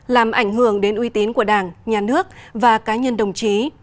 làm ảnh hưởng đến uy tín của đảng nhà nước và cá nhân đồng chí